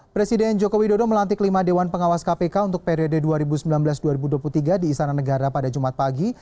presiden joko widodo melantik lima dewan pengawas kpk untuk periode dua ribu sembilan belas dua ribu dua puluh tiga di istana negara pada jumat pagi